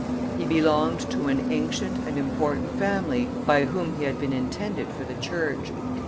He belonged to an ancient and important family by whom he had been intended for the Church.